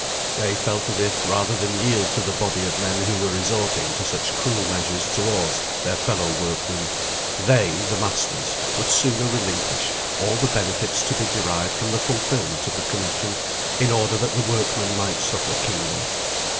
They felt as if, rather than yield to the body of men who were resorting to such cruel measures towards their fellow workmen, they, the masters, would sooner relinquish all the benefits to be derived from the fulfilment of the commission, in order that the workmen might suffer keenly.